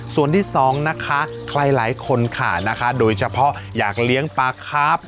ส่วนที่สองนะคะใครหลายคนค่ะนะคะโดยเฉพาะอยากเลี้ยงปลาครับ